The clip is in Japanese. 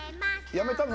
やめたの？